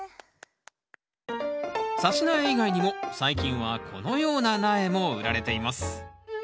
さし苗以外にも最近はこのような苗も売られています